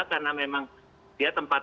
karena memang dia tempat